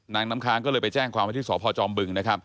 นางน้ำค้างก็เลยไปแจ้งความว่าที่สพจบึง